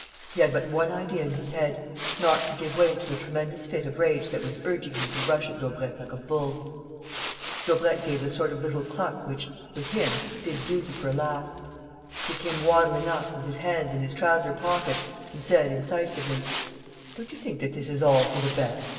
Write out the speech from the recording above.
He had but one idea in his head: not to give way to the tremendous fit of rage that was urging him to rush at Daubrecq like a bull. Daubrecq gave the sort of little cluck which, with him, did duty for a laugh. He came waddling up, with his hands in his trouser pockets, and said, incisively: "Don't you think that this is all for the best?